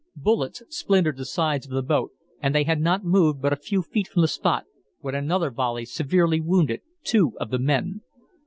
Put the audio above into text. Bullets splintered the sides of the boat, and they had not moved but a few feet from the spot when another volley severely wounded two of the men.